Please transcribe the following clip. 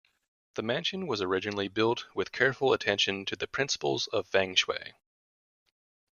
The mansion was originally built with careful attention to the principles of Feng Shui.